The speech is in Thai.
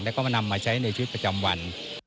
แล้วก็มานำมาใช้ในชีวิตประจำวัน